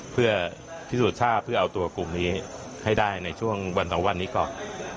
เพื่อพิสูจน์ทราบเพื่อเอาตัวกลุ่มนี้ให้ได้ในช่วงวันสองวันนี้ก่อน